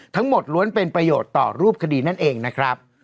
ล้วนเป็นประโยชน์ต่อรูปคดีนั่นเองนะครับ